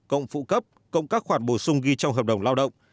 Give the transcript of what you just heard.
cộng phụ cấp cộng các khoản bổ sung ghi trong hợp đồng lao động